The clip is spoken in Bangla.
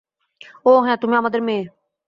ওহ, হ্যাঁ, তুমি আমাদের মেয়ে।